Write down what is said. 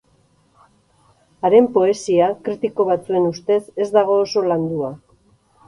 Haren poesia, kritiko batzuen ustez, ez dago oso landua.